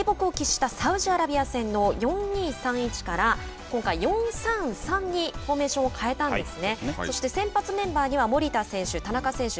日本は、敗北を喫したサウジアラビア戦の４・２・３・１から今回、４・３・３にフォーメーションを変えたんですね。